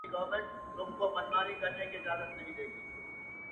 خیر دی زما کور دې خدای وران کړي ستا دې کور جوړ سي-